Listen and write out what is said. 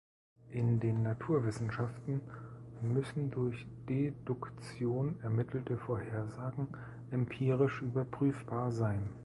In den Naturwissenschaften müssen durch Deduktion ermittelte Vorhersagen empirisch überprüfbar sein.